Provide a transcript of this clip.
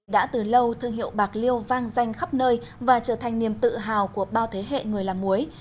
đã từ lâu thương hiệu bạc liêu vang danh khắp nơi và trở thành niềm tự hào của bao thế hệ người làm muối